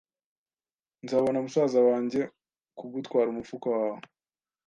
Nzabona musaza wanjye kugutwara umufuka wawe.